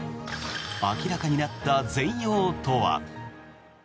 明らかになった全容とは。